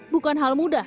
bukan hal mudah